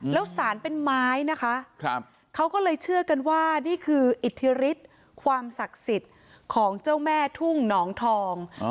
แล้วสารเป็นไม้นะคะเขาก็เลยเชื่อกันว่านี่คืออิทธิฤทธิ์ความศักดิ์สิทธิ์ของเจ้าแม่ทุ่งหนองทอง